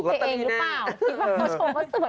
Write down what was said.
อย่าคิดเองรึเปล่า